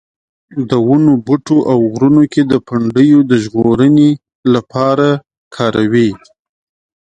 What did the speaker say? د ونو بوټو او غرونو کې د پنډیو د ژغورنې لپاره کاروي.